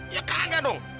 ya kagak dong